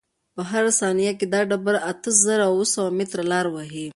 په هره ثانیه کې دا ډبره اته زره اوه سوه متره لاره وهي.